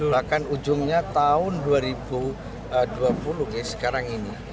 bahkan ujungnya tahun dua ribu dua puluh sekarang ini